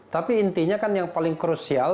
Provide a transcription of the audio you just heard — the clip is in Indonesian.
tapi intinya kan yang paling krusial